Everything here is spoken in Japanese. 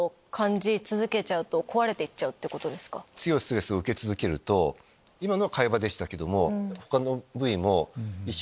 強いストレスを受け続けると今のは海馬でしたけども。